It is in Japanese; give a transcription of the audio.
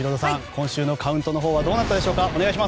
今週のカウントはどうなったでしょうか。